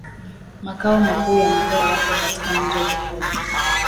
Makao Makuu ya Mkoa yapo katika mji wa Bukoba